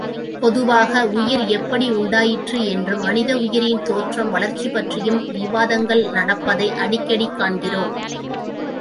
பொதுவாக உயிர் எப்படி உண்டாயிற்று என்றும், மனித உயிரின் தோற்றம், வளர்ச்சி பற்றியும் விவாதங்கள் நடப்பதை அடிக்கடி காண்கிறோம்.